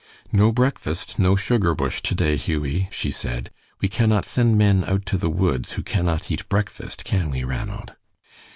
"No breakfast, no sugar bush to day, Hughie," she said; "we cannot send men out to the woods that cannot eat breakfast, can we, Ranald?"